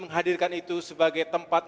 menghadirkan itu sebagai tempat